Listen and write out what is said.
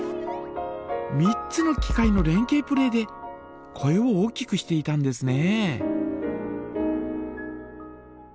３つの機械の連係プレーで声を大きくしていたんですね。